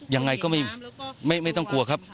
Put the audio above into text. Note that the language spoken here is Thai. ยังไงก็ไม่ต้องกลัวครับ